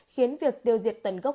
khiến việc tiêu diệt tần gốc